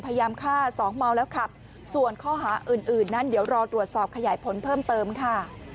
พยายามฆ่าสองเมาแล้วขับส่วนข้อหาอื่นนั้นเดี๋ยวรอตรวจสอบขยายผลเพิ่มเติมค่ะ